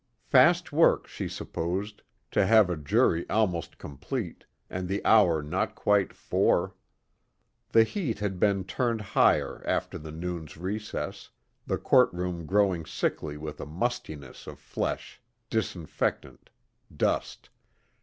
Fast work, she supposed, to have a jury almost complete, and the hour not quite four. The heat had been turned higher after the noon recess, the courtroom growing sickly with a mustiness of flesh, disinfectant, dust.